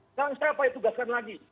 sekarang siapa yang tugaskan lagi